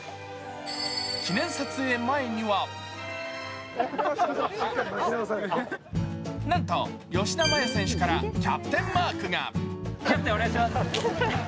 記念撮影前にはなんと、吉田麻也選手からキャプテンマークが。